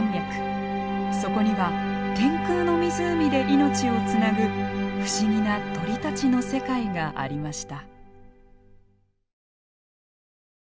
そこには天空の湖で命をつなぐ不思議な鳥たちの世界がありました。